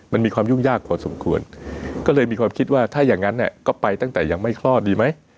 มันมีความยุ่งยากพอสมควรก็เลยมีความคิดว่าถ้าอย่างนั้นก็ไปตั้งแต่ยังไม่คลอดดีไหม